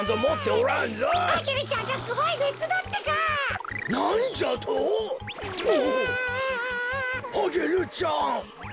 おおアゲルちゃん。